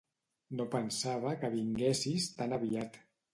No pensava que vinguessis tan aviat.